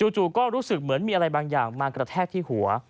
จู่ก็รู้สึกเหมือนมีอะไรบางอย่างมากระแทกที่หัว